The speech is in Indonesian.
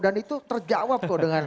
dan itu terjawab dengan faktanya